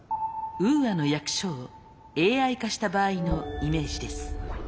ウーアの役所をＡＩ化した場合のイメージです。